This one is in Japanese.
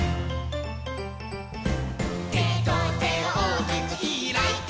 「テトテをおおきくひらいて」